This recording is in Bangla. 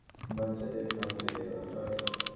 বাচ্চাদের খাতিরে এটাও সই।